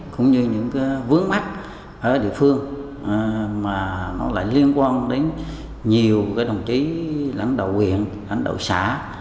cũng như những cái vướng mắt ở địa phương mà nó lại liên quan đến nhiều cái đồng chí lãnh đạo quyền lãnh đạo xã